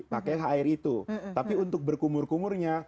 pakai air itu tapi untuk berkumur kumurnya